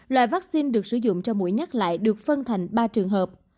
loại vaccine được sử dụng cho mũi nhắc lại được phân thành ba trường hợp